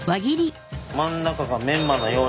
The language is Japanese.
真ん中がメンマのように切る。